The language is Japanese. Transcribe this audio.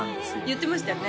言ってましたよね